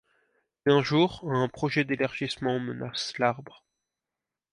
Mais un jour, un projet d'élargissement menace l'arbre.